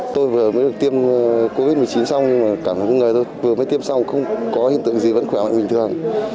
tôi vừa mới được tiêm covid một mươi chín xong cảm thấy vừa mới tiêm xong không có hiện tượng gì vẫn khỏe mạnh bình thường